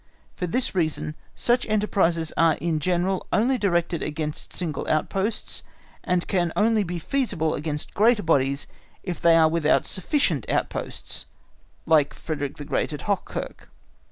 For this reason such enterprises are in general only directed against single outposts, and can only be feasible against greater bodies if they are without sufficient outposts, like Frederick the Great at Hochkirch.